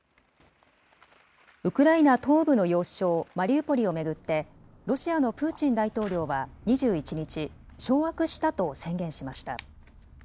ウクライナ東部の要衝マリウポリを巡って、ロシアのプーチン大統領は２１日、掌握したと宣言しました。